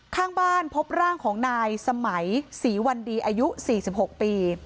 ข้างบ้านพบร่างของนายสมัยศรีวันดีอายุ๔๖ปี